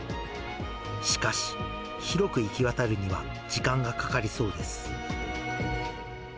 しかし、広く行き渡るには時間がかかりそうです。